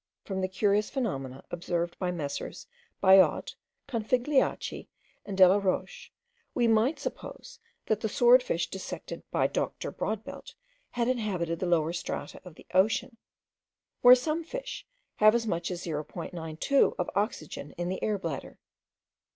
From the curious phenomena observed by MM. Biot, Configliachi, and Delaroche, we might suppose, that the swordfish dissected by Dr. Brodbelt had inhabited the lower strata of the ocean, where some fish* have as much as 0.92 of oxygen in the air bladder.